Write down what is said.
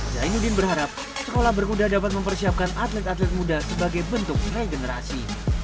zainuddin berharap sekolah berkuda dapat mempersiapkan atlet atlet muda sebagai bentuk regenerasi